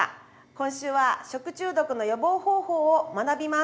今週は食中毒の予防方法を学びます。